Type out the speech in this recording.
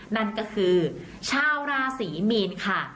นั่นก็คือชาวราศรีมีนค่ะ